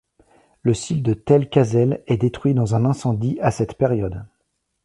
Le site de Tell Kazel est détruit dans un incendie à cette période.